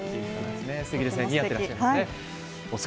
すてきですね、似合っていらっしゃいますね。